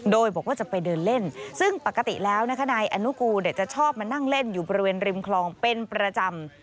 โดยบอกว่าจะไปเดินเล่นซึ่งปกติแล้วนะคะนายอนุกูจะชอบมานั่งเล่นอยู่บริเวณริมคลองเป็นประจำ